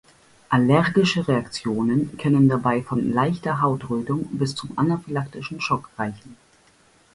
Allergische Reaktionen können dabei von leichter Hautrötung bis zum anaphylaktischen Schock reichen.